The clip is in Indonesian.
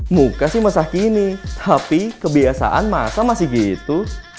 muka sih masa kini tapi kebiasaan masa masih gitu